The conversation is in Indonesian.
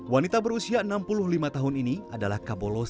wanita berusia enam puluh lima tahun ini adalah kabolosi ke delapan belas